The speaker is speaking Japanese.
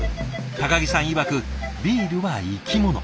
木さんいわくビールは生き物。